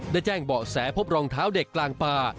ได้แจ้งเบาะแสพบรองเท้าเด็กกลางป่า